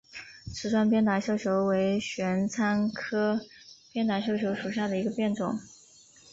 齿状鞭打绣球为玄参科鞭打绣球属下的一个变种。